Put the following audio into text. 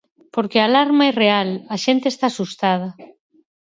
Porque a alarma é real, a xente está asustada.